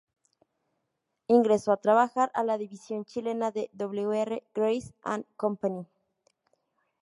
Ingresó a trabajar a la división chilena de W. R. Grace and Company.